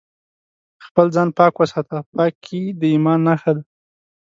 خپل ځان پاک وساته ، پاکي د ايمان نښه ده